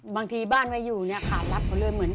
บางทีบ้านไม่อยู่เนี่ยขาดรับเขาเลย